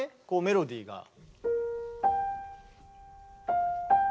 こうメロディーが。